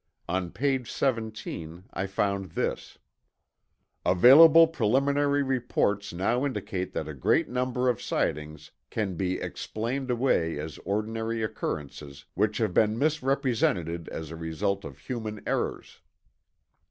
On page 17 I found this: "Available preliminary reports now indicate that a great number of sightings can be explained away as ordinary occurrences which have been misrepresented as a result of human errors."